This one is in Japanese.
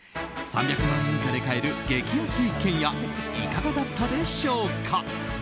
３００万円以下で買える激安一軒家いかがだったでしょうか？